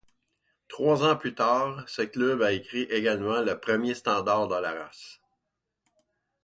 Trois ans plus tard, ce club écrit également le premier standard de la race.